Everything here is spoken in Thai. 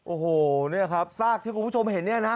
โอ้โหเนี่ยครับซากที่คุณผู้ชมเห็นเนี่ยนะ